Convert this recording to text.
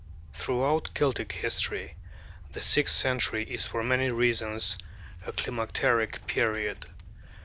Throughout Celtic history, the sixth century is for many reasons a climacteric period.